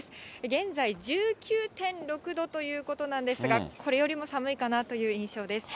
現在、１９．６度ということなんですが、これよりも寒いかなという印象です。